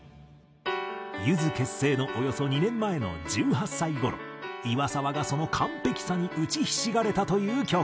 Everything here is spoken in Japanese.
ゆず結成のおよそ２年前の１８歳頃岩沢がその完璧さに打ちひしがれたという曲。